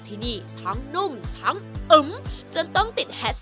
ประกาศรายชื่อพศ๒๕๖๑